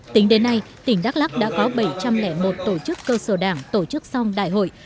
tính đến nay tỉnh đắk lắc đã có bảy trăm linh một tổ chức cơ sở đảng tổ chức xong đại hội